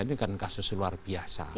ini kan kasus luar biasa